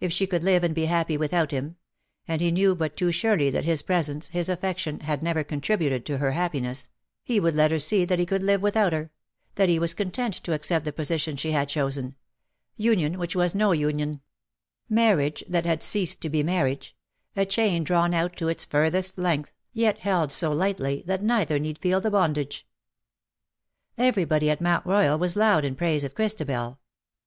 If she could live and be happy without him — and he knew but too surely that his presence, his affection, had never contributed to her happiness — he would let her see that he could live without her — that he was content to accept the position she had chosen — union which was no union — marriage that had ceased to be marriage — a chain drawn out to its furthest length, yet held so lightly that neither need feel the bondage. Everybody at Mount Royal was loud in praise of Christabel.